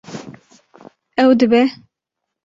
Ew dibe